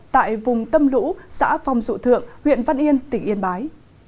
tại vùng tâm lũ xã phong dụ thượng huyện văn yên tỉnh yên bái